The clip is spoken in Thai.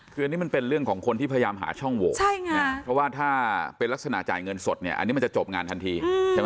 คืออันนี้มันเป็นเรื่องของคนที่พยายามหาช่องโหวเพราะว่าถ้าเป็นลักษณะจ่ายเงินสดเนี่ยอันนี้มันจะจบงานทันทีใช่ไหม